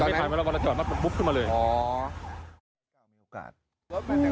มันไม่ไฟมาแล้ววันละจอดมันปุ๊บขึ้นมาเลย